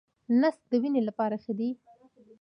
نسک د وینې لپاره ښه دي.